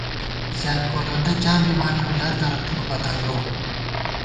زیان کولوندہ کیاں بِمانېؤ لر درہ تھُک مہ تنگَؤ